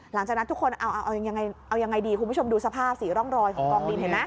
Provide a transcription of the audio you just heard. หลังจากนั้นทุกคนเอายังไงดีคุณผู้ชมดูสภาพสิร่องรอยของกองดินเห็นไหม